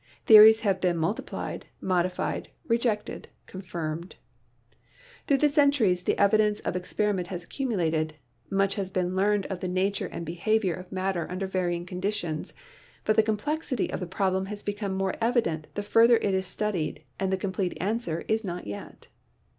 Theories have been multi plied, modified, rejected, confirmed. Through centuries the io PHYSICS evidence of experiment has accumulated; much has been learned of the nature and behavior of matter under varying conditions, but the complexity of the problem has become more evident the further it is studied and the complete answer is not yet.